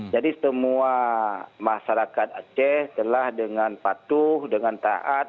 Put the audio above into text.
jadi semua masyarakat aceh telah dengan patuh dengan taat